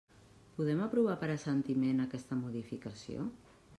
Podem aprovar per assentiment aquesta modificació?